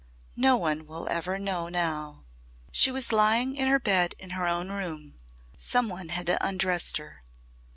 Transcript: "Now no one will ever know." She was lying in her bed in her own room. Some one had undressed her.